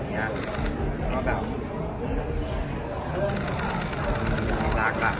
อยากทำแบบ